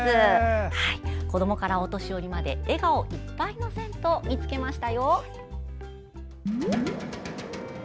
子どもからお年寄りまで笑顔いっぱいの銭湯を見つけましたよ。